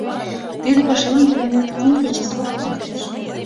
Тиде пашалан тыланет кум кече срок пуалтеш.